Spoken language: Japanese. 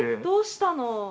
どうしたの？